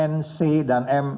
nc dan m